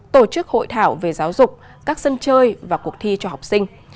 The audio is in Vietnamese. tổ chức hội thảo về giáo dục các sân chơi và cuộc thi cho học sinh